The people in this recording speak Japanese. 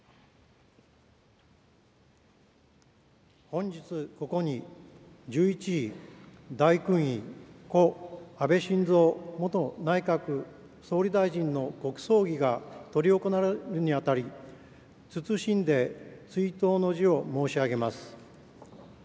本日ここに、従一位大勲位故安倍晋三元内閣総理大臣の国葬儀が執り行われるにあたり、謹んで追悼の辞を申し上げます。